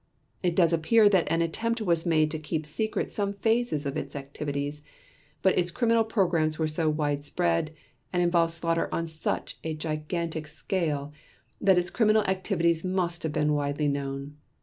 It does appear that an attempt was made to keep secret some phases of its activities, but its criminal programs were so widespread, and involved slaughter on such a gigantic scale, that its criminal activities must have been widely known.